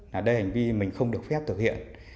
đây là hành vi mình không được phép thực hiện